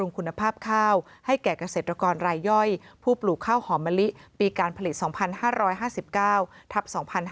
คุณภาพข้าวให้แก่เกษตรกรรายย่อยผู้ปลูกข้าวหอมมะลิปีการผลิต๒๕๕๙ทัพ๒๕๕๙